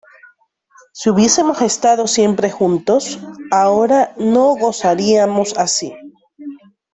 si hubiésemos estado siempre juntos, ahora no gozaríamos así.